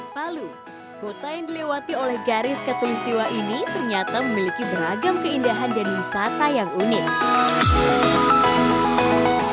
palu kota yang dilewati oleh garis katulistiwa ini ternyata memiliki beragam keindahan dan wisata yang unik